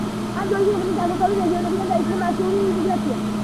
ამ დროისთვის, ქვეყნის აღმოსავლეთ რეგიონებიდან დაიწყო მასიური იმიგრაცია.